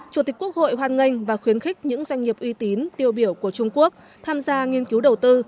chủ tịch quốc hội hoan nghênh và khuyến khích những doanh nghiệp uy tín tiêu biểu của trung quốc tham gia nghiên cứu đầu tư